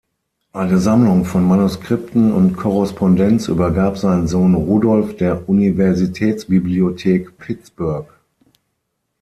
Eine Sammlung von Manuskripten und Korrespondenz übergab sein Sohn Rudolf der Universitätsbibliothek Pittsburgh.